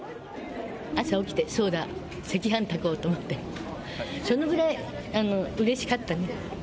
朝起きて、そうだ、赤飯炊こうと思って、そのぐらいうれしかったね。